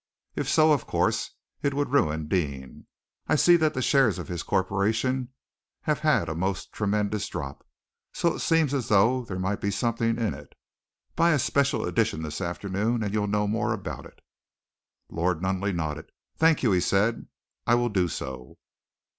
If so, of course, it would ruin Deane. I see that the shares of his corporation have had a most tremendous drop, so it seems as though there might be something in it. Buy a special edition this afternoon, and you'll know more about it." Lord Nunneley nodded. "Thank you," he said, "I will do so."